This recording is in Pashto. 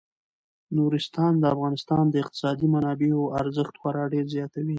نورستان د افغانستان د اقتصادي منابعو ارزښت خورا ډیر زیاتوي.